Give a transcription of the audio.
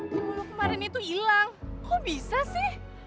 walaupun kemarin itu ilang kok bisa sih